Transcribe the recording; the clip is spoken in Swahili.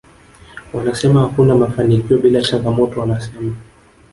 Wanasema hakuna mafanikio bila changamoto anasema